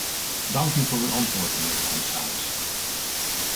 Dank u voor uw antwoord, mijnheer de commissaris.